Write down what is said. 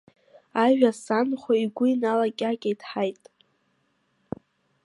Ажәа санхәа игәы иналакьакьеит Ҳаиҭ.